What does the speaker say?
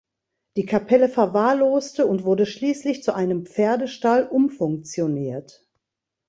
Die Kapelle verwahrloste und wurde schließlich zu einem Pferdestall umfunktioniert.